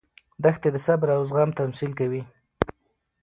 دښتې د صبر او زغم تمثیل کوي.